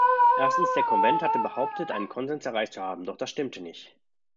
Erstens, der Konvent hatte behauptet, einen Konsens erreicht zu haben, doch das stimmte nicht.